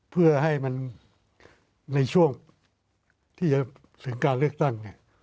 เพื่อให้มันในช่วงที่จะถึงการเลือกตั้งเนี่ย